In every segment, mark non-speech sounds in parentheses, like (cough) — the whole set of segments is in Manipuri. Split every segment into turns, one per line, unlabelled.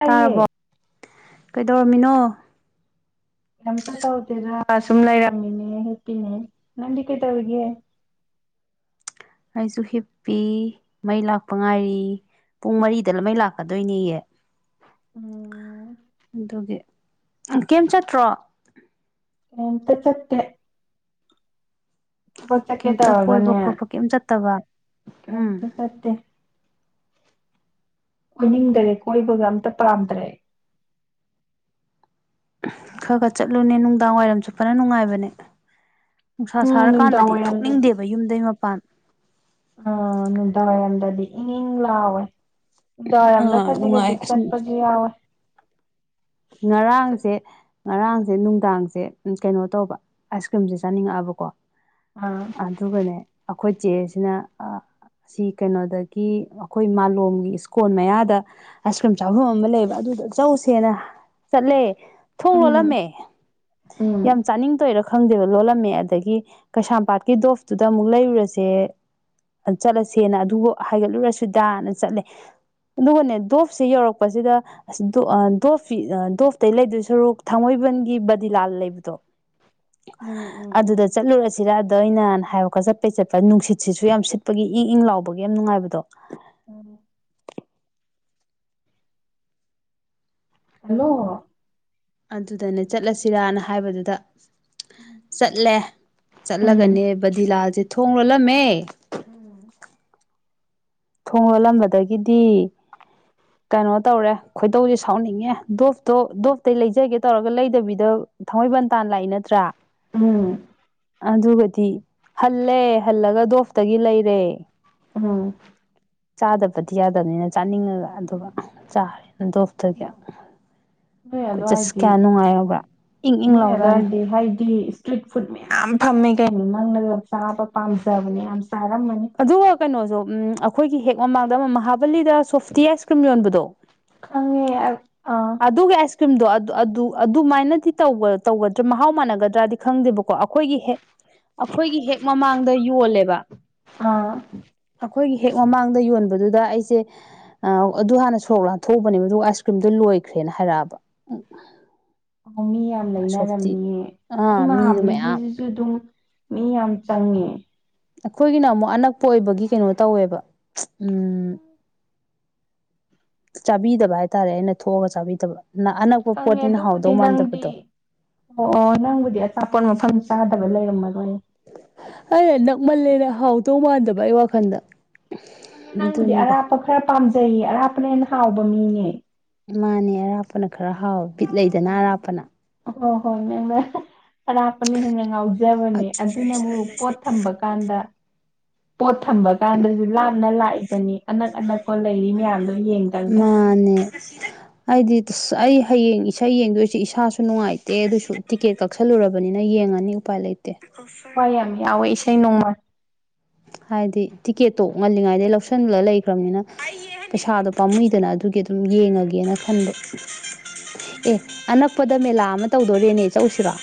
ꯇꯥꯏꯌꯦ
ꯇꯥꯔꯕꯣ ꯀꯩꯗꯧꯔꯝꯃꯤꯅꯣ
ꯌꯥꯝꯝꯇ ꯇꯧꯇꯦꯔꯥ ꯁꯨꯝꯅ ꯏꯔꯃꯤꯅꯦ ꯍꯄꯤꯅꯦ ꯅꯝꯕ ꯀꯩ ꯇꯧꯒꯦ
ꯑꯩꯁꯨ ꯍꯤꯞꯄꯤ ꯃꯩ ꯂꯥꯛꯄ ꯉꯥꯏꯔꯤ ꯄꯨꯡ ꯃꯔꯤꯗ ꯂꯃꯩ ꯂꯥꯛꯀꯗꯣꯏꯅꯦꯌꯦ
ꯎꯝ
ꯑꯗꯨꯒꯤ ꯀꯩꯝ ꯆꯠꯇ꯭ꯔꯣ
ꯅꯝꯇ ꯆꯠꯇ ꯊꯕꯛ ꯆꯠꯀꯦ
ꯀꯩꯝꯇ ꯀꯣꯏꯕ
ꯇꯧꯔꯒꯅꯦ
ꯈꯣꯠꯄ ꯀꯩꯝ ꯆꯠꯇꯕ ꯎꯝ
ꯀꯩꯇ ꯆꯠꯇꯦ ꯑꯣꯏꯅꯤꯡꯗꯔꯦ ꯀꯣꯏꯕꯒ ꯑꯝꯇ ꯄꯥꯝꯗꯔꯦ
ꯈꯔ ꯈꯔ ꯆꯠꯂꯨꯅꯦ ꯅꯨꯡꯗꯥꯡ ꯋꯥꯏꯔꯝ ꯆꯨꯞꯠꯄꯅ ꯅꯨꯡꯉꯥꯏꯕꯅꯦ ꯅꯨꯡꯁꯥ
ꯎꯝ ꯅꯨꯡꯗꯥꯡ
ꯁꯥꯔꯀꯥꯟꯗꯗꯤ ꯊꯣꯛꯅꯤꯡꯗꯦꯕ ꯌꯨꯝꯗꯩ ꯃꯄꯥꯟ
ꯑꯥ ꯑꯗꯨꯅꯨꯡꯗꯋꯥꯏ ꯑꯜꯗꯗꯤ ꯏꯪ ꯏꯪ ꯂꯥꯎꯑꯣꯦ ꯗꯔꯝꯗ
ꯑꯥ
ꯈꯖꯤꯛ
ꯅꯨꯡꯉꯥꯏ
ꯈꯖꯤꯛ
ꯑꯁ
ꯆꯠꯄꯁꯨ ꯌꯥꯎꯋꯣꯏ
ꯉꯔꯥꯡꯁꯦ ꯉꯔꯥꯡꯁꯦ ꯅꯨꯡꯗꯥꯡꯁꯦ ꯀꯩꯅꯣ ꯇꯧꯕ ꯑꯥꯏꯁ ꯀ꯭ꯔꯤꯝꯁꯦ ꯆꯥꯅꯤꯡꯉꯛꯑꯕꯀꯣ
ꯑꯥ
ꯑꯗꯨꯒꯅꯦ ꯑꯩꯈꯣꯏ ꯆꯦꯁꯤꯅ ꯑꯁꯤ ꯀꯩꯅꯣꯗꯒꯤ ꯑꯩꯈꯣꯏ ꯃꯥꯂꯣꯝꯒꯤ ꯏꯁꯀꯣꯟꯜ ꯃꯌꯥꯗ ꯑꯥꯏꯁ ꯀ꯭ꯔꯤꯝ ꯆꯥꯐꯝ ꯑꯃ ꯂꯩꯕ ꯑꯗꯨꯗ ꯆꯧꯁꯦꯅ ꯆꯠꯂꯦ ꯊꯣꯡ
ꯎꯝ
ꯂꯣꯜꯂꯝꯃꯦ
ꯎꯝ
ꯌꯥꯝ ꯆꯥꯅꯤꯡ ꯇꯣꯏꯔꯣ ꯈꯪꯗꯦꯕ ꯂꯣꯜꯂꯝꯃꯦ ꯑꯗꯒꯤ ꯀꯩꯁꯥꯝꯄꯥꯠꯀꯤ ꯗꯣꯐꯇꯨꯗ ꯑꯃꯨꯛ ꯂꯩꯔꯨꯔꯁꯦ ꯆꯠꯂꯁꯦꯅ ꯑꯗꯨꯕꯨ ꯍꯥꯏꯒꯠꯂꯨꯔꯁꯨꯗꯥꯅ ꯆꯠꯂꯦ ꯑꯗꯨꯒꯅꯦ ꯗꯣꯞꯁꯦ ꯌꯧꯔꯛꯄꯁꯤꯗ ꯗꯣꯞ ꯗꯣꯞꯇꯇꯩ ꯂꯩꯗꯣꯏ ꯁꯣꯔꯨꯛ ꯊꯥꯡꯃꯩꯕꯟꯒꯤ ꯕꯗꯤꯂꯥꯜ ꯂꯩꯕꯗꯣ
ꯎꯝ ꯎꯝ ꯎꯝ
ꯑꯗꯨꯗ ꯆꯠꯂꯨꯔꯁꯤꯔ ꯑꯗ ꯑꯩꯅ ꯍꯥꯏꯔꯛꯀ ꯆꯠꯄꯩ ꯆꯠꯄ ꯅꯨꯡꯁꯤꯠꯁꯤꯁꯨ ꯌꯥꯝ ꯁꯤꯠꯄꯒꯤ ꯏꯪ ꯏꯪ ꯂꯥꯎꯕꯒꯤ ꯌꯥꯝ ꯅꯨꯡꯉꯥꯏꯕꯗꯣ
ꯎ ꯍꯜꯂꯣ
ꯑꯗꯨꯗꯅꯦ ꯆꯠꯂꯁꯤꯔꯥꯅ ꯍꯥꯏꯕꯗꯨꯗ
ꯎꯝ
ꯆꯠꯂꯦ ꯆꯠꯂꯒꯅꯦ
ꯎꯝ
ꯕꯗꯤꯤꯂꯥꯜꯁꯦ ꯊꯣꯡ ꯂꯣꯜꯂꯝꯃꯦ
ꯎꯝ
ꯊꯣꯡ ꯂꯣꯜꯂꯝꯕꯗꯒꯤꯗꯤ ꯀꯩꯅꯣ ꯇꯧꯔꯦ ꯈꯣꯏꯇꯧꯁꯦ ꯁꯥꯎꯅꯤꯡꯉꯦ ꯗꯣꯞꯇꯣ ꯗꯣꯞꯇ ꯂꯩꯖꯒꯦ ꯇꯧꯔꯒ ꯂꯩꯗꯕꯤꯗ ꯊꯥꯡꯃꯩꯕꯟ ꯇꯥꯟ ꯂꯥꯛꯏ ꯅꯠꯇ꯭ꯔꯥ
ꯎꯝ
ꯑꯗꯨꯒꯗꯤ ꯍꯜꯂꯦ ꯍꯜꯂꯒ ꯗꯣꯐꯇꯒꯤ ꯂꯩꯔꯦ
ꯑꯣꯝ
ꯆꯥꯗꯕꯗꯤ ꯌꯥꯗꯕꯅꯤꯅ ꯆꯥꯅꯤꯡꯉꯒ ꯑꯗꯨꯒ ꯆꯥꯔꯦ ꯗꯣꯞꯇꯒꯤꯦ
ꯅꯣꯏ
ꯀꯣꯏꯆꯠꯁꯤ
ꯑꯗꯨꯋꯥꯏꯗꯤ
ꯀꯌꯥ ꯅꯨꯡꯉꯥꯏꯔꯕ꯭ꯔꯥ ꯏꯪ ꯏꯪ
ꯅꯣꯏ
ꯂꯧꯗꯥꯅꯤ
ꯑꯗꯨꯋꯥꯏꯗꯤ ꯍꯥꯏꯗꯤ ꯏꯁꯇ꯭ꯔꯤꯠ ꯐꯨꯗ ꯃꯌꯥꯝ ꯐꯝꯃꯦ ꯀꯩꯅꯣ ꯅꯪꯅ ꯆꯥꯕ ꯄꯥꯝꯖꯕꯅꯦ ꯌꯥꯝ ꯆꯥꯔꯝꯃꯅꯤ
ꯑꯗꯨꯒ ꯀꯩꯅꯣꯁꯨꯣ ꯎꯝ ꯑꯩꯈꯣꯏꯒꯤ ꯍꯦꯛ ꯃꯃꯥꯡꯗ ꯑꯃ ꯃꯍ ꯕꯂꯤꯗ ꯁꯣꯐꯇꯤ ꯑꯥꯏꯁ ꯀ꯭ꯔꯤꯝ ꯌꯣꯟꯕꯗꯣ
ꯈꯪꯉꯦ ꯑ ꯑꯥ
ꯑꯗꯨꯒꯤ ꯑꯁ ꯀ ꯏꯁ꯭ꯔꯤꯝꯗꯣ ꯑꯗꯨꯃꯥꯏꯅꯗꯤ ꯇꯧꯒꯗ꯭ꯔꯥ ꯃꯍꯥꯎ ꯃꯥꯟꯅꯒꯗ꯭ꯔꯥꯗꯤ ꯈꯪꯗꯦꯕꯀꯣ ꯑꯩꯈꯣꯏꯒꯤ ꯍꯦꯛ ꯑꯩꯈꯣꯏꯒꯤ ꯍꯦꯛ ꯃꯃꯥꯡꯗ ꯌꯣꯜꯂꯦꯕ
ꯑꯥ
ꯑꯩꯈꯣꯏꯒꯤ ꯍꯦꯛ ꯃꯃꯥꯡꯗ ꯌꯣꯟꯕꯗꯨꯗ ꯑꯩꯁꯦ ꯑ ꯑꯗꯨ ꯍꯥꯟꯅ ꯁꯣꯔꯣꯛꯂ ꯊꯣꯛꯎꯕꯅꯦꯕ ꯑꯗꯨꯒ ꯑꯥꯏꯁ ꯀ꯭ꯔꯤꯝꯗꯣ ꯂꯣꯏ ꯑꯣꯏꯈ꯭ꯔꯦꯅ ꯍꯥꯏꯔꯛꯑꯕ ꯎ
ꯑꯣ ꯃꯤ ꯌꯥꯝ ꯂꯩꯅꯔꯝꯃꯤꯑ ꯑꯩ
ꯑꯥ ꯃꯤꯗꯣ ꯃꯌꯥꯝ
ꯃꯍꯥꯕ꯭ꯂꯤꯒꯤꯁꯤꯁꯨ ꯑꯗꯨꯝ ꯃꯤ ꯌꯥꯝ ꯆꯪꯉꯦ
ꯑꯩꯈꯣꯏꯒꯤꯅ ꯑꯃꯨꯛ ꯑꯅꯛꯄ ꯑꯣꯏꯕꯒꯤ ꯀꯩꯅꯣ ꯇꯧꯋꯦꯕ ꯎꯝ ꯆꯥꯕꯤꯗꯕ ꯍꯥꯏꯇꯥꯔꯦ ꯑꯩꯅ ꯊꯣꯛꯑꯒ ꯆꯥꯕꯤꯗꯕ ꯑꯅꯛꯄ
ꯈꯪꯉꯦ
ꯄꯣꯠꯅꯤꯅ
ꯑꯗꯨꯕꯨꯗꯤ
ꯍꯥꯎꯗꯧ
ꯅꯪꯗꯤ
ꯃꯥꯟꯗꯕꯗꯣ
ꯑꯣ ꯅꯪꯕꯨꯗꯤ ꯑꯆꯥꯄꯣꯠ ꯃꯐꯝꯁꯦ ꯆꯥꯗꯕ ꯂꯩꯔꯝꯃꯗꯣꯏꯅꯤ
ꯑꯩꯅ ꯅꯛꯃꯜꯂꯦꯅ ꯍꯥꯎꯗꯧ ꯃꯥꯟꯗꯕ ꯑꯩ ꯋꯥꯈꯜꯗ
ꯍꯪꯅꯦ ꯅꯪꯕꯨꯗꯤ ꯑꯔꯥꯞꯄ ꯈꯔ ꯄꯥꯝꯖꯩꯌꯦ ꯑꯔꯥꯞꯄꯅ ꯍꯦꯟꯅ ꯍꯥꯎꯕ ꯃꯤꯅꯦ
ꯃꯥꯅꯦ ꯑꯔꯥꯞꯄꯅ ꯈꯔ ꯍꯥꯎꯋꯦ ꯕꯤꯠ ꯂꯩꯗꯅ ꯑꯔꯥꯞꯄꯅ
ꯍꯣ ꯍꯣꯏ ꯃꯦꯝꯃꯦ ꯑꯔꯥꯞꯄꯅ ꯍꯦꯟꯅ ꯉꯥꯎꯖꯕꯅꯦ ꯑꯗꯨꯅꯕꯨ ꯄꯣꯠ ꯊꯝꯕ ꯀꯥꯟꯗ ꯄꯣꯠ ꯊꯝꯕ ꯀꯥꯟꯗꯁꯨ ꯂꯥꯞꯅ ꯂꯥꯛꯏꯕꯅꯤ ꯑꯅꯛ ꯑꯅꯛꯄ ꯂꯩꯔꯤ ꯃꯌꯥꯝꯗꯣ ꯌꯦꯡꯗꯪꯒ
ꯃꯥꯅꯦ ꯑꯩꯗꯤ ꯑꯩ ꯍꯌꯦꯡ ꯏꯁꯩ ꯌꯦꯡꯗꯣꯏꯁꯦ ꯏꯁꯥꯁꯨ ꯅꯨꯡꯉꯥꯏꯇꯦ ꯑꯗꯨꯁꯨ ꯇꯤꯀꯦꯠ ꯀꯛꯁꯜꯂꯨꯔꯕꯅꯤꯅ ꯌꯦꯡꯉꯅꯤ ꯎꯄꯥꯏ ꯂꯩꯇꯦ ꯑꯣꯐꯔ
ꯊꯋꯥꯏ ꯌꯥꯝ ꯌꯥꯎꯋꯦ ꯏꯁꯩ ꯅꯣꯡꯃ
ꯍꯥꯏꯗꯤ ꯇꯤꯛꯀꯦꯠꯇꯣ ꯉꯜꯂꯤꯉꯩꯗꯒꯤꯩ ꯂꯧꯁꯤꯟꯂ ꯂꯩꯈ꯭ꯔꯕꯅꯤꯅ ꯄꯩꯁꯥꯗꯣ ꯄꯥꯝꯃꯨꯏꯗꯅ ꯑꯗꯨꯒꯤ ꯑꯗꯨꯝ ꯌꯦꯡꯉꯒꯦꯅ ꯈꯟꯕ ꯑꯦ
ꯎꯝ
ꯑꯅꯛꯄꯗ ꯃꯦꯂꯥ ꯑꯃ ꯇꯧꯗꯣꯔꯦꯅꯦ ꯆꯆꯧꯁꯤꯔꯣ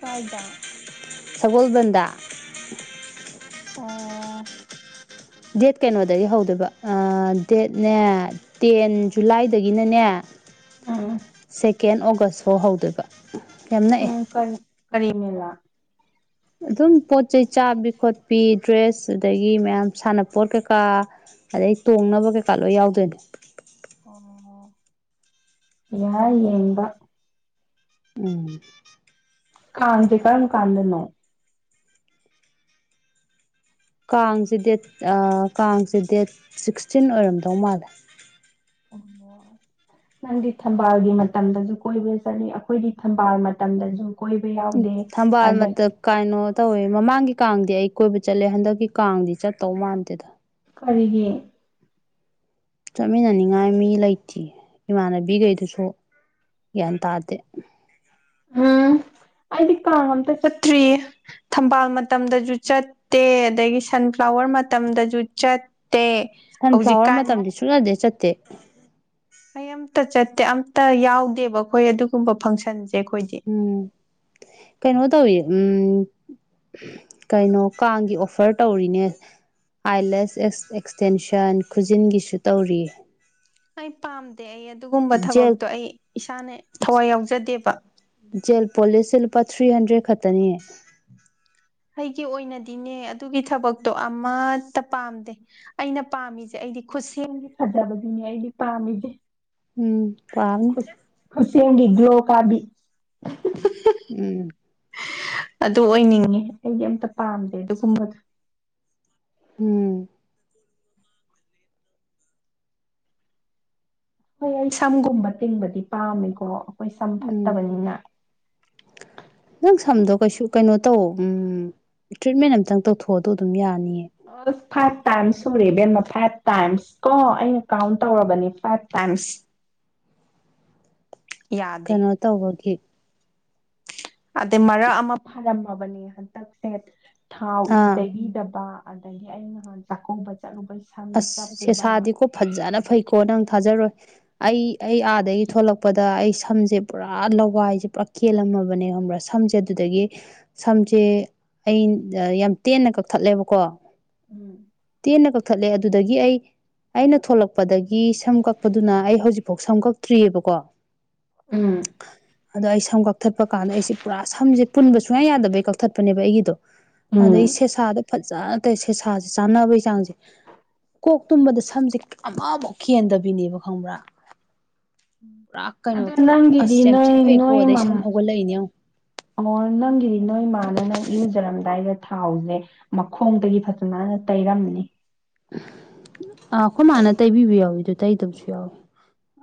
ꯀꯥꯏꯗ
ꯁꯒꯣꯜꯕꯟꯗ
ꯑꯣ
ꯗꯦꯠ ꯀꯩꯅꯣꯗꯒꯤ ꯍꯧꯗꯣꯏꯕ ꯗꯦꯠꯅꯦ ꯇꯦꯟ
ꯎꯝ
ꯖꯨꯂꯥꯏꯗꯒꯤꯅꯅꯦ
ꯎꯝ
ꯁꯦꯀꯦꯟ ꯑꯣꯒꯁ ꯐꯥꯎ ꯍꯧꯗꯣꯏꯕ ꯌꯥꯝ ꯅꯛꯑꯦ
ꯎꯝ ꯀꯔꯤ ꯀꯔꯤꯃꯦꯂꯥ
ꯑꯗꯨꯝ ꯄꯣꯠ ꯆꯩꯩ ꯆꯥꯕꯤ ꯈꯣꯠꯄꯤ ꯗ꯭ꯔꯦꯁ ꯑꯗꯨꯗꯒꯤ ꯃꯌꯥꯝ ꯁꯥꯟꯅꯄꯣꯠ ꯀꯩꯀꯥ ꯑꯗꯩ ꯑꯩ ꯇꯣꯡꯅꯕ ꯀꯩꯀꯥ ꯂꯣꯏ ꯌꯥꯎꯗꯣꯏꯅꯦ
ꯑꯣ ꯌꯥꯏ ꯌꯦꯕ
ꯎꯝ
ꯀꯥꯟꯖ ꯀꯔꯝ ꯀꯥꯟꯗꯅꯣ
ꯀꯥꯡꯁꯦ ꯗꯦꯠ ꯀꯥꯡꯁꯦ ꯗꯦꯠ ꯁꯤꯛꯁꯇꯤꯟ ꯑꯣꯏꯔꯝꯗꯧ ꯃꯥꯜꯂꯦ
ꯑꯣꯃꯁ ꯅꯪꯗꯤ ꯊꯝꯕꯥꯜꯒꯤ ꯃꯇꯝꯗꯁꯨ ꯀꯣꯏꯕ꯭ꯔ ꯆꯠꯂꯤ ꯑꯩꯈꯣꯏꯗꯤ ꯊꯝꯕꯥꯜ ꯃꯇꯝꯗꯁꯨ ꯀꯣꯏꯕ
ꯎ
ꯌꯥꯎꯗꯦ
ꯊꯝꯕꯥꯜ ꯃ
ꯑꯗ
ꯀꯥꯏꯅꯣ ꯇꯧꯋꯦ ꯃꯃꯥꯡꯒꯤ ꯀꯥꯡꯗꯤ ꯑꯩ ꯀꯣꯏꯕ ꯆꯠꯂꯦ ꯍꯟꯗꯛꯀꯤ ꯀꯥꯡꯗꯤ ꯆꯠꯇꯧ ꯃꯥꯟꯗꯦꯗ
ꯀꯔꯤꯒꯤ
ꯆꯠꯃꯤꯟꯅꯅꯤꯡꯉꯥꯏ ꯃꯤ ꯂꯩꯇꯦ ꯏꯃꯥꯟꯅꯕꯤꯈꯩꯗꯨꯁꯨ ꯌꯦꯟ ꯇꯥꯇꯦ
ꯎꯝ ꯑꯩꯗꯤ ꯀꯥꯡ ꯑꯝꯇ ꯆꯠꯇ꯭ꯔꯤꯌꯦ ꯊꯝꯕꯥꯜ ꯃꯇꯝꯗꯁꯨ ꯆꯠꯇꯦ ꯑꯗꯒꯤ ꯁꯟꯐ꯭ꯂꯥꯋꯔ ꯃꯇꯝꯗꯁꯨ ꯆ
ꯁꯟꯐ꯭ꯂꯥꯋꯔ ꯃꯇꯝꯗꯤ ꯁꯨ ꯌꯥꯗꯦ ꯆꯠꯇꯦ
ꯀꯩ ꯑꯃꯝꯇ ꯆꯠꯇꯦ ꯑꯝꯇ ꯌꯥꯎꯗꯦꯕ ꯑꯩꯈꯣꯏ ꯑꯗꯨꯒꯨꯝꯕ ꯐꯪꯁꯟꯁꯦ ꯑꯩꯈꯣꯏꯗꯤ
ꯎꯝ ꯀꯩꯅꯅ ꯇꯧ ꯎꯝ ꯀꯩꯅꯣ ꯀꯥꯡꯒꯤ ꯑꯣꯐꯔ ꯇꯧꯔꯤꯅꯦ ꯑꯥꯏꯂꯦꯁ ꯑꯦꯛ ꯑꯦꯛꯁꯇꯦꯟꯁꯟ ꯈꯨꯖꯤꯟꯒꯤꯁꯨ ꯇꯧꯔꯤ
ꯑꯩ ꯄꯥꯝꯗꯦ ꯑꯩ ꯑꯗꯨꯒꯨꯝꯕ
ꯖꯦꯜ
ꯊꯕꯛꯇꯣ ꯑꯩ ꯏꯁꯥꯅ ꯊꯋꯥꯏ ꯌꯥꯎꯖꯗꯦꯕ
ꯖꯦꯜ ꯄꯣꯂꯤꯁꯁꯦ ꯂꯨꯄꯥ ꯊ꯭ꯔꯤ ꯍꯟꯗ꯭ꯔꯦꯗ ꯈꯛꯇꯅꯤ
ꯑꯩꯒꯤ ꯑꯣꯏꯅꯗꯤꯅꯦ ꯑꯗꯨꯒꯤ ꯊꯕꯛꯇꯣ ꯑꯃꯠꯇ ꯄꯥꯝꯗꯦ ꯑꯩꯅ ꯄꯥꯝꯃꯤꯁꯦ ꯑꯩ ꯑꯩꯗꯤ ꯈꯨꯠꯁꯦꯝꯗꯤ ꯐꯖꯕꯗꯨꯅꯦ ꯑꯩꯗꯤ ꯄꯥꯝꯃꯤꯁꯦ
ꯎꯝ ꯄꯝ
ꯁꯦꯡꯗꯤ ꯒ꯭ꯂꯣ ꯀꯥꯕꯤ
ꯎꯝ
ꯑꯗꯨ ꯑꯣꯏꯅꯤꯡꯉꯦ ꯑꯩꯗꯤ ꯑꯝꯇ ꯄꯥꯝꯗꯦ ꯑꯗꯨꯒꯨꯝꯕꯗꯣ
ꯎꯝ
ꯍꯣꯏ ꯑꯩ ꯁꯝꯒꯨꯝꯕ ꯇꯤꯡꯕꯗꯤ ꯄꯥꯝꯃꯦꯀꯣ ꯈꯣꯏ ꯁꯝ
ꯎꯝ
ꯐꯠꯇꯕꯅꯤꯅ
ꯅꯪ ꯁꯝꯗꯣ ꯀꯩꯁꯨ ꯀꯩꯅꯣꯇꯧ ꯎꯝ ꯇ꯭ꯔꯤꯠꯃꯦꯟ ꯑꯝꯇꯪ ꯇꯧꯊꯣꯛꯑꯣ ꯑꯗꯣ ꯑꯗꯨꯝ ꯌꯥꯅꯤꯌꯦ
ꯑꯁ ꯐꯥꯏꯚ ꯇꯥꯏꯝꯁ ꯁꯨꯔꯦ ꯏꯕꯦꯃ ꯐꯥꯏꯚ ꯇꯥꯏꯝꯁ ꯀꯣ ꯑꯩꯅ ꯀꯥꯎꯟ ꯇꯧꯔꯕꯅꯤ ꯐꯥꯏꯚ ꯇꯥꯏꯝꯁ (inaudible) ꯌꯥꯗꯦ
ꯀꯅꯣ ꯇꯧꯕꯒꯤ
ꯑꯗꯩ ꯃꯔꯛ ꯑꯃ ꯐꯔꯝꯃꯕꯅꯦ ꯍꯟꯇꯛꯁꯦ ꯊꯥꯎ ꯏ
ꯑꯥ
ꯇꯩꯕꯤꯗꯕ ꯑꯗꯒꯤ ꯑꯩꯅ ꯅꯍꯥꯟ ꯆꯥꯛꯀꯧꯕ ꯆꯠ
ꯑꯁ ꯁꯦꯁꯥꯗꯤꯀꯣ ꯐꯖꯅ ꯐꯩꯀꯣ ꯅꯪ ꯊꯥꯖꯔꯣꯏ ꯑꯩ ꯑꯩ ꯑꯥꯗꯒꯤ ꯊꯣꯛꯂꯛꯄꯗ ꯑꯩ ꯁ ꯁꯝꯖꯦ ꯄꯨꯔꯥ ꯂꯋꯥꯏꯖꯦ ꯄꯨꯔꯥ ꯀꯦꯜꯂꯝꯃꯕꯅꯦ ꯈꯪꯕ꯭ꯔꯥ ꯁꯝꯖꯦ ꯑꯗꯨꯗꯒꯤ ꯁꯝꯖꯦ ꯑꯩ ꯗ ꯌꯥꯝ ꯇꯦꯟꯅ ꯀꯛꯊꯠꯂꯦꯕꯀꯣ
ꯎꯝ
ꯊꯠꯂꯦ ꯑꯗꯨꯗꯒꯤ ꯑꯩ ꯑꯩꯅ ꯊꯣꯛꯂꯛꯄꯗꯒꯤ ꯁꯝ ꯀꯛꯄꯗꯨꯅ ꯑꯩ ꯍꯧꯖꯤꯛꯐꯧ ꯁꯝ ꯀꯛꯇ꯭ꯔꯤ ꯌꯦꯕꯀꯣ
ꯎꯝ
ꯑꯗꯣ ꯑꯩ ꯁꯝ ꯀꯛꯊꯠꯄ ꯀꯥꯟꯗ ꯑꯩꯁꯦ ꯄꯨꯔꯥ ꯁꯝꯖꯦ ꯄꯨꯟꯕ ꯁꯨꯡꯌꯥ ꯌꯥꯗꯕꯩ ꯀꯛꯊꯠꯄꯅꯦꯕ ꯑꯩꯒꯤꯗꯣ
ꯎꯝ
ꯑꯗꯩ ꯁꯦꯁꯥꯗ ꯐꯖꯅ ꯇꯩ ꯁꯦꯁꯥꯖꯦ ꯆꯥꯅꯕꯩ ꯆꯥꯡꯖꯦ ꯀꯣꯛ ꯇꯨꯝꯕꯗ ꯁꯝꯖꯦ ꯀ ꯑꯃꯕꯣꯛ ꯀꯦꯟꯗꯕꯤꯅꯦꯕ ꯈꯪꯕ꯭ꯔꯥ ꯄꯨꯔꯥ ꯀꯩꯅꯣ
ꯑꯗꯣ ꯅꯪꯒꯤꯗꯤ
ꯑꯁ ꯌꯥꯝ ꯊꯤ
ꯅꯣꯏ
ꯐꯩꯀꯣ
ꯅꯣꯏ
ꯑꯗꯩ
ꯃꯝ
ꯁꯝ ꯍꯧꯒꯠꯂꯛꯏꯅꯦ ꯌꯦꯡꯉꯣ
ꯑꯣ ꯅꯪꯒꯤꯗꯤ ꯅꯣꯏ ꯃꯥꯥꯅ ꯅꯪ ꯏꯔꯨꯖꯔꯝꯗꯥꯏꯗ ꯊꯥꯎꯖꯦ ꯃꯈꯣꯡꯗꯒꯤ ꯐꯖꯅꯅ ꯇꯩꯔꯝꯅꯤ
ꯑꯥ ꯑꯈꯣꯏ
ꯇꯩ
ꯃꯥꯅ ꯇꯩꯕꯤꯕ ꯌꯥꯎꯋꯤ ꯑꯗꯨ ꯇꯩꯗꯕꯁꯨ ꯌꯥꯎꯋꯤ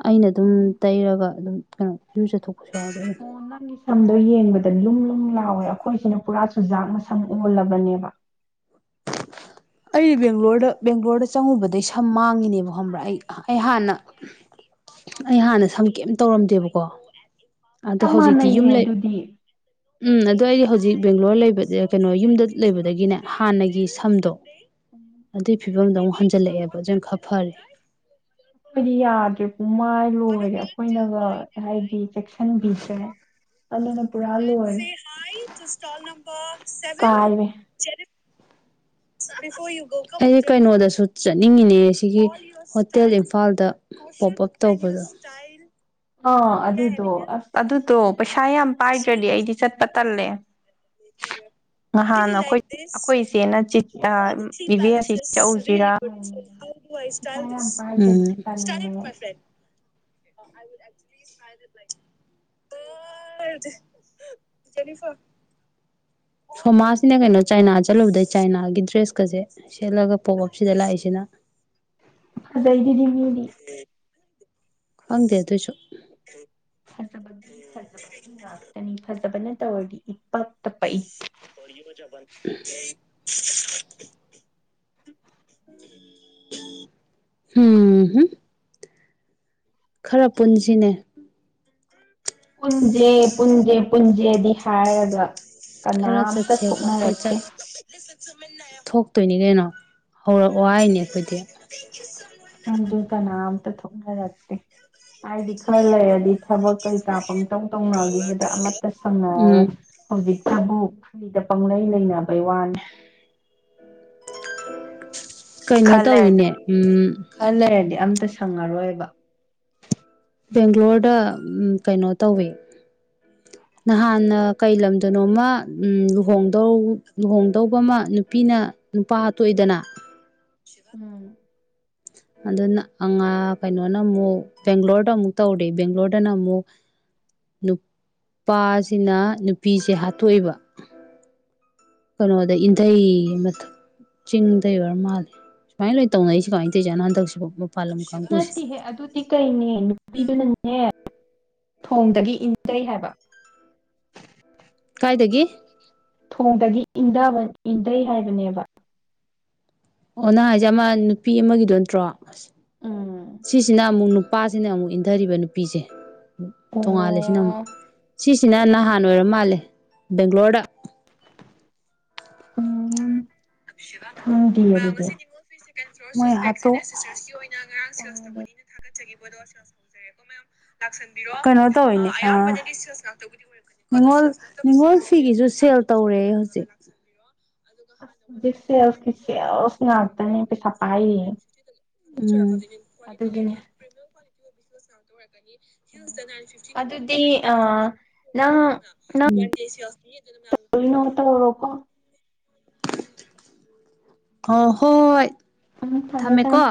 ꯑꯩꯅ ꯗꯨꯝ
ꯎꯝ
ꯇꯩꯔꯒ ꯑꯗꯨꯝ ꯀꯩꯅꯣ ꯏꯔꯨꯖꯊꯣꯛꯄꯁꯨ ꯌꯥꯎꯏꯗ ꯑꯩꯅ
ꯝꯗꯣ ꯌꯦꯡꯕꯗ ꯂꯨꯝ ꯂꯨꯡ ꯂꯥꯎꯋꯦ ꯑꯩꯈꯣꯏꯁꯤꯅ ꯄꯨꯔꯥ ꯆꯨꯖꯥꯛ ꯃꯁꯝ ꯑꯣꯜꯂꯕꯅꯦꯕ (inaudible)
ꯑꯩ ꯕꯦꯡꯒ꯭ꯂꯣꯔꯗ ꯕꯦꯡꯒ꯭ꯂꯣꯔꯗ ꯆꯪꯉꯨꯕꯗꯩ ꯁꯝ ꯃꯥꯡꯉꯤꯅꯦꯕ ꯈꯪꯕ꯭ꯔꯥ ꯑꯩ ꯑꯩ ꯍꯥꯟꯅ ꯑꯩ ꯍꯥꯟꯅ ꯁꯝ ꯀꯩꯝ ꯇꯧꯔꯝꯗꯦꯕꯀꯣ ꯑꯗꯣ
ꯆꯞ
ꯍꯧꯖꯤꯛꯇꯤ ꯌꯨꯝ
ꯃꯥꯟꯅꯩꯌꯦ
ꯂꯩ
ꯑꯗꯨꯗꯤ
ꯎꯝ ꯑꯗꯣ ꯑꯩꯖꯍꯧꯖꯤꯛ ꯕꯦꯡꯒ꯭ꯂꯣꯔ ꯂꯩꯕꯖꯦ ꯀꯩꯅꯣ ꯌꯨꯝꯗ ꯂꯩꯕꯗꯒꯤꯅꯦ ꯍꯥꯟꯅꯒꯤ ꯁꯝꯗꯣ ꯑꯗꯨꯏ ꯐꯤꯕꯝꯗꯣ ꯑꯃꯨꯛ ꯍꯟꯖꯤꯜꯂꯛꯑꯦꯕ ꯑꯖꯨ ꯈ ꯐꯔꯦ
ꯑꯩꯈꯣꯏꯗꯤ ꯌꯥꯗ꯭ꯔꯦ ꯄꯨꯃꯥꯏ ꯂꯣꯏꯔꯦ ꯑꯩꯈꯣꯏꯅꯒ ꯍꯥꯏꯗꯤ ꯆꯦꯛꯁꯤ ꯁꯝꯒꯤꯁꯦ ꯑꯗꯨꯅ ꯄꯨꯔꯥ
ꯁꯦ
ꯂꯣꯏꯔꯦ
ꯍꯥꯏ ꯇꯨ ꯁꯇꯜ ꯅꯝꯕꯔ ꯁꯦꯚꯦꯟ
ꯀꯥꯏꯔꯦ
ꯆꯦꯔꯤꯠ
(inaudible)
ꯑꯩ ꯀꯩꯅꯣꯗꯁꯨ ꯆꯠꯅꯤꯡꯉꯤꯅꯦ ꯁꯤꯒꯤ ꯍꯣꯇꯦꯜ ꯏꯝꯐꯥꯜꯗ ꯄꯣꯞ ꯑꯞ ꯇꯧꯕꯗꯣ
ꯑꯥ ꯑꯗꯨꯗꯣ ꯑꯁ ꯑꯗꯨꯗꯣ ꯄꯩꯁꯥ ꯌꯥꯝ ꯄꯥꯏꯗ꯭ꯔꯗꯤ ꯑꯩꯗꯤ ꯆꯠꯄ ꯇꯜꯂꯦ
(unintelligible) (unintelligible)
ꯅꯍꯥꯟ ꯑꯩꯈꯣꯏ ꯑꯩꯈꯣꯏ ꯏꯆꯦꯅ ꯆꯤ ꯑ ꯏꯕꯦ ꯑꯁꯤ ꯆꯠꯎꯁꯤꯔꯥ
ꯋꯥꯏ
ꯄꯩꯁꯥ
ꯏꯁꯇꯥꯏꯜ
ꯌꯥꯝ
ꯗꯤꯁ ꯎꯝ
ꯄꯥꯏꯗ꯭ꯔꯗꯤ
ꯢꯁꯇꯥꯏꯜ
ꯇꯜꯂꯦ
ꯄꯔꯐꯦꯛ
(inaudible)
ꯑꯥꯏ (unintelligible) ꯖꯦꯅꯤꯐꯔ ꯁꯣꯃꯥꯖꯁꯤꯅ ꯀꯩꯅꯣ ꯆꯥꯏꯅꯥ ꯆꯠꯂꯨꯕꯗꯩ ꯆꯥꯏꯅꯥꯒꯤ ꯗ꯭ꯔꯦꯁꯀꯖꯦ ꯁꯦꯠꯂꯒ ꯄꯣꯛꯑꯞ ꯁꯤꯗ ꯂꯥꯛꯏꯁꯤꯅ ꯑ ꯑ
ꯐꯖꯩꯗꯨꯗꯤ ꯃꯤꯗꯤ
ꯈꯪꯗꯦ ꯑꯗꯨꯏꯁꯨ
ꯐꯖꯕꯒꯤ ꯐꯖꯕꯒꯤ ꯉꯥꯛꯇꯅꯤ ꯐꯖꯕꯅ ꯇꯧꯔꯗꯤ ꯏꯄꯛꯇ ꯄꯛꯏ
(unintelligible) ꯍꯝꯝ ꯈꯔ ꯄꯨꯟꯁꯤꯅꯦ
ꯄꯨꯟꯁꯦ ꯄꯨꯟꯁꯦ ꯄꯨꯟꯁꯦꯗꯤ ꯍꯥꯏꯔꯒ
ꯈꯔ
ꯀꯅꯥꯝꯇ
ꯆꯠꯁꯦꯕ ꯀꯣꯏ
ꯊꯣꯛꯅꯔꯛꯇꯦ
ꯆꯠ ꯊꯣꯛꯇꯣꯏꯅꯤ ꯀꯩꯅꯣ ꯍꯧꯔꯛꯑꯣ ꯍꯥꯏꯅꯦ ꯑꯩꯈꯣꯏꯗꯤ
ꯑꯗꯨ ꯀꯅꯥꯝꯇ ꯊꯣꯛꯅꯔꯛꯇꯦ ꯍꯥꯏꯗꯤ ꯈꯔ ꯂꯩꯔꯗꯤ ꯊꯕꯛ ꯀꯩ ꯀꯥꯞꯐꯝ ꯧ ꯇꯧꯅꯈꯤꯕꯗ ꯑꯃꯠꯇ
ꯎꯝ
ꯁꯪꯅꯔꯔꯣꯏ ꯍꯧꯖꯤꯛꯇ ꯊꯕꯨ ꯄꯩ ꯂꯩꯅꯕꯩ ꯋꯥꯅꯤ
ꯀꯩꯅꯣ
ꯈꯔ ꯂꯩꯔꯗꯤ
ꯇꯧꯋꯤꯅꯦ ꯎꯝ
ꯈꯔ ꯂꯩꯔꯗꯤ ꯑꯝꯇ ꯁꯪꯉꯔꯣꯏꯕ
ꯕꯦꯡꯒ꯭ꯂꯣꯔꯗ ꯀꯩꯅꯣ ꯇꯧꯋꯤ ꯅꯍꯥꯟꯅ ꯀꯩ ꯂꯝꯗꯅꯣꯃ ꯂꯨꯍꯣꯡꯗꯧ ꯂꯨꯍꯣꯡꯗꯧꯕ ꯑꯃ ꯅꯨꯄꯤꯅ ꯅꯨꯄꯥ ꯍꯥꯠꯇꯣꯛꯏꯗꯅ
ꯎꯝ
ꯑꯗꯨꯅ ꯑꯉꯥ ꯀꯩꯅꯣꯅ ꯑꯃꯨꯛ ꯕꯦꯡꯒ꯭ꯂꯣꯔꯗ ꯑꯃꯨꯛ ꯇꯧꯔꯤ ꯕꯦꯡꯒꯂꯣꯔꯗꯅ ꯑꯃꯨꯛ ꯅꯨꯄꯥꯁꯤꯅ ꯅꯨꯄꯤꯁꯦ ꯍꯥꯠꯇꯣꯛꯏꯕ ꯀꯩꯅꯣꯗ ꯏꯟ ꯃ ꯆꯤꯡꯗꯩ ꯑꯣꯏꯔ ꯃꯥꯜꯂꯦ ꯁꯨꯃꯥꯏꯅ ꯂꯣꯏ ꯇꯧꯅꯩꯁꯤ ꯁ ꯀꯃꯥꯏꯅ ꯇꯧꯖꯥꯅ ꯍꯟꯗꯛꯁꯤꯐꯥꯎ
ꯅꯠꯇꯦꯍꯦ ꯑꯗꯨꯗꯤ ꯀꯩꯅꯦ ꯅꯨꯄꯤꯗꯨꯅꯅꯦ ꯊꯣꯡꯗꯒꯤ ꯏꯟꯖꯩ ꯍꯥꯏꯕ
ꯑꯗꯨꯗꯒꯤ
ꯊꯣꯡꯗꯒꯤ ꯏꯟꯊꯕ ꯏꯟꯊꯩ ꯍꯥꯏꯕꯅꯦꯕ
ꯑꯣ ꯅꯍ ꯍꯥꯏꯁꯦ ꯑꯃ ꯅꯨꯄꯤ ꯑꯃꯒꯤꯗꯣ ꯅꯠꯇ꯭ꯔꯣ ꯑꯁ
ꯎꯝ
ꯁꯤꯁꯤꯅ ꯑꯃꯨꯛ ꯅꯨꯄꯥꯁꯤꯅ ꯑꯃꯨꯛ ꯏꯟꯊꯔꯤꯕ ꯅꯨꯄꯤꯁꯦ ꯇꯣꯡꯉꯥꯜꯂꯤꯁꯤꯅꯛ
ꯑꯣ
ꯁꯤꯁꯤꯅ ꯅꯍꯥꯟ ꯑꯣꯏꯔ ꯃꯥꯜꯂꯦ ꯕꯦꯡꯒ꯭ꯂꯣꯔꯗ
ꯎꯝ
ꯉꯁꯤꯉꯣ꯭ꯂ (unintelligible) (inaudible)
ꯈꯪꯗꯤꯌꯦ ꯑꯗꯨꯗꯤ
ꯁꯔꯁ ꯇꯧꯕꯅ ꯊꯒꯦ (unintelligible) (inaudible) ꯅꯤꯉꯣꯜ ꯅꯤꯉꯣꯜ ꯐꯤꯒꯤꯁꯨ ꯁꯦꯜ ꯇꯧꯔꯦ ꯍꯧꯖꯤꯛ
ꯖꯤꯁꯅ ꯑꯗꯅꯤ ꯄꯁꯄꯥꯏ
ꯀ꯭ꯋꯥ ꯂꯩ ꯏꯟ ꯐꯤꯇꯤꯒ ꯐꯪꯕ
ꯑꯗꯨꯗꯤ
ꯀ
ꯑ
ꯌꯥꯝ
ꯅꯪ
ꯁꯤ ꯀ (unintelligible) (inaudible)
ꯑ (unintelligible) (inaudible)
ꯑ ꯍꯣꯏ
ꯎ ꯐꯉꯦꯗ
ꯊꯝꯃꯦꯀꯣ